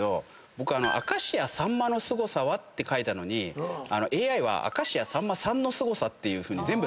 僕「明石家さんまのすごさは？」って書いたのにＡＩは「明石家さんまさんの」って全部「さん」付けしてたり。